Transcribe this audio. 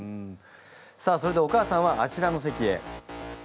さあそれではお母さんはあちらの席へ。